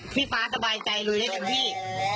พี่ฟ้าสบายใจเลยได้จนพี่